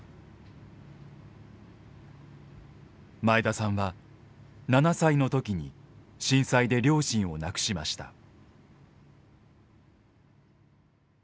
前田さんは７歳の時に震災で両親を亡くしました。